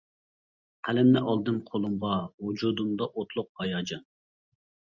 قەلەمنى ئالدىم قۇلۇمغا ۋۇجۇدۇمدا ئوتلۇق ھاياجان.